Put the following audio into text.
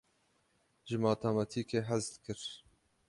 Ji matematîkê hez dikir.